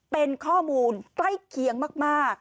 เป็นข้อมูลใกล้เคียงมาก